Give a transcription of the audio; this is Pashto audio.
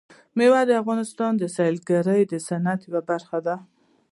مېوې د افغانستان د سیلګرۍ د صنعت یوه برخه ده.